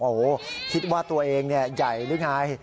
โอ้โหคิดว่าตัวเองใหญ่หรือไง